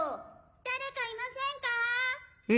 誰かいませんか。